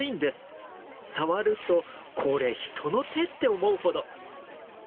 触ると「これ人の手？」って思うほど。